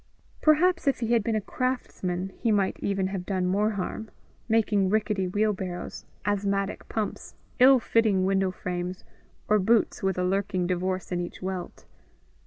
Perhaps if he had been a craftsman, he might even have done more harm making rickety wheelbarrows, asthmatic pumps, ill fitting window frames, or boots with a lurking divorce in each welt.